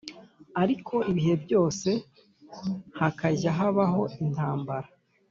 Ariko ibihe byose hakajya habaho intambara